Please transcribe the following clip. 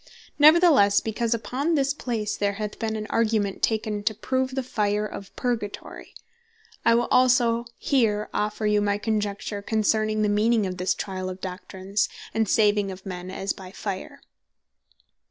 Neverthelesse, because upon this place there hath been an argument taken, to prove the fire of Purgatory, I will also here offer you my conjecture concerning the meaning of this triall of Doctrines, and saving of men as by Fire.